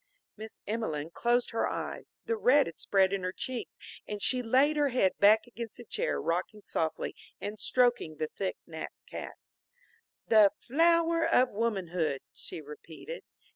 '" Miss Emelene closed her eyes. The red had spread in her cheeks and she laid her head back against the chair, rocking softly and stroking the thick napped cat. "The flower of womanhood," she repeated.